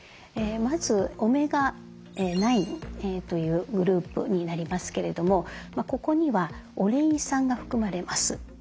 まずオメガ９というグループになりますけれどもここにはオレイン酸が含まれます。